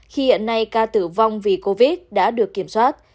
khi hiện nay ca tử vong vì covid đã được kiểm soát